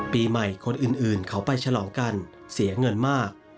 ปีใหม่คนอื่นเขาไปฉลองกันเสียเงินมาก